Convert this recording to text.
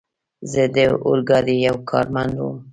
زه د اورګاډي یو کارمند ووم.